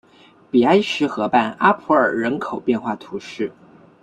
比埃什河畔阿普尔人口变化图示